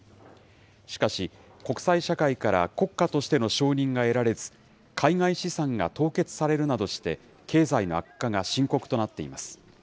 しかし、国際社会から国家としての承認が得られず、海外資産が凍結されるなどして、経済の悪化が深刻となっています。